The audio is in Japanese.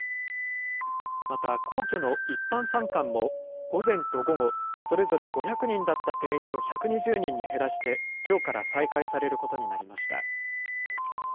また、皇居の一般参観も午前と午後、それぞれ５００人だった定員を１２０人に減らして、きょうから再開されることになりました。